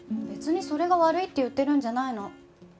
別にそれが悪いって言ってるんじゃないの。